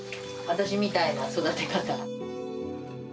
私みたいな育て方。